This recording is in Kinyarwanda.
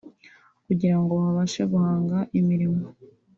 kugira ngo babashe guhanga imirimo